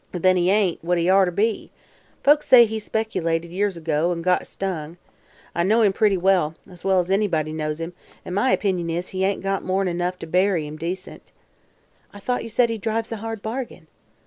"Then he ain't what he orter be. Folks says he specilated, years ago, an' got stung. I know him pretty well as well as anybody knows him an' my opinion is he ain't got more'n enough to bury him decent." "Thought you said he drives a hard bargain?"